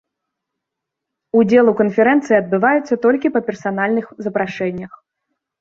Удзел у канферэнцыі адбываецца толькі па персанальных запрашэннях.